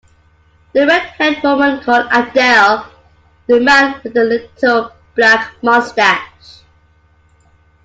The red-haired woman called Adele; the man with the little black moustache.